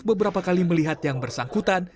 beberapa kali melihat yang bersangkutan